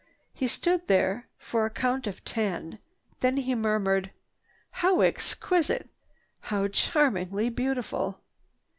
He stood there for a count of ten, then he murmured, "How exquisite! How charmingly beautiful!"